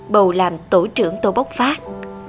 bầu làm tổ trưởng tổ bốc phát